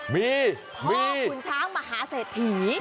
มีมีพ่อขุนช้างมหาเสร็จหิ